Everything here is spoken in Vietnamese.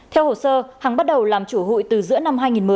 theo hồ sơ hằng bắt đầu làm chủ hụi từ giữa năm hai nghìn một mươi